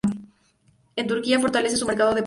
En Turquía fortalece su mercado de pollos.